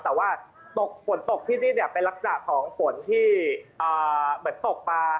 แต่ว่าฝนตกที่นี่เนี่ยเป็นลักษณะของฝนที่ตกมา